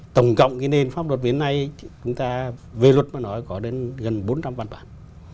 tổng cộng cái nền pháp luật hiện nay chúng ta về luật mà nói có đến gần bốn trăm linh văn bản